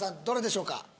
どれでしょうか？